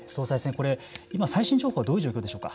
これ今、最新情報はどういう状況でしょうか。